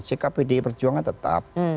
sikap bdip perjuangan tetap